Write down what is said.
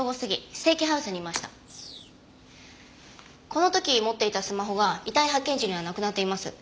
この時持っていたスマホが遺体発見時にはなくなっています。